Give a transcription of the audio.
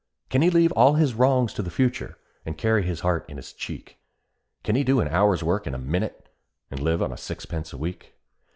Can he leave all his wrongs to the future, and carry his heart in his cheek? Can he do an hour's work in a minute, and live on a sixpence a week?